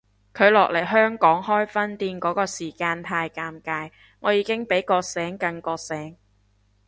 佢落嚟香港開分店嗰個時間太尷尬，我已經比覺醒更覺醒